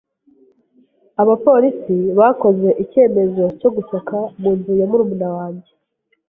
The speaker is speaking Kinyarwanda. Abapolisi bakoze icyemezo cyo gusaka mu nzu ya murumuna wanjye.